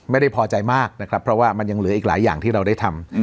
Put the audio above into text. ไม่พอใจมากนะครับเพราะว่ามันยังเหลืออีกหลายอย่างที่เราได้ทำ